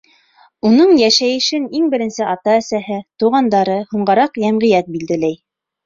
Уның йәшәйешен иң беренсе ата-әсәһе, туғандары, һуңғараҡ йәмғиәт билдәләй.